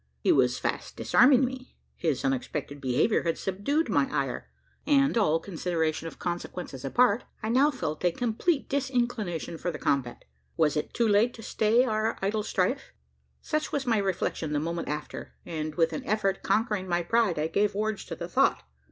He was fast disarming me. His unexpected behaviour had subdued my ire; and, all consideration of consequences apart, I now felt a complete disinclination for the combat! Was it too late to stay our idle strife? Such was my reflection the moment after; and, with an effort conquering my pride, I gave words to the thought.